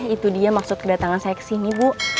itu dia maksud kedatangan saya kesini bu